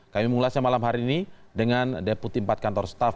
kami mengulasnya malam hari ini dengan deputi empat kantor staff